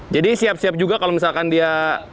jadi siap siap juga kalau misalkan dia